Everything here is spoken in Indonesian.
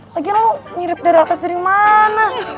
lagian lu mirip dari atas diri mana